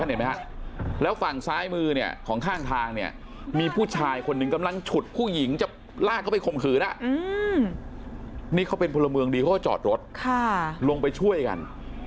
นี่เขาเป็นผู้ละเมืองดีเขาก็จอดรถลงไปช่วยกัน